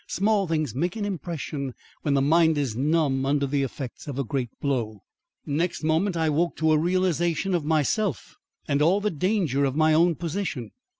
Small things make an impression when the mind is numb under the effect of a great blow. Next moment I woke to a realisation of myself and all the danger of my own position.